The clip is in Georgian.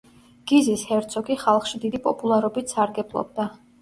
გიზის ჰერცოგი ხალხში დიდი პოპულარობით სარგებლობდა.